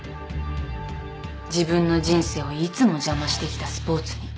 自分の人生をいつも邪魔してきたスポーツに。